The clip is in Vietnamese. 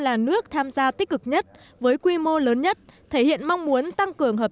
một trong những nước tham gia tích cực nhất với quy mô lớn nhất thể hiện mong muốn tăng cường hợp